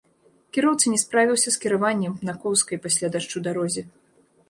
Кіроўца не справіўся з кіраваннем на коўзкай пасля дажджу дарозе.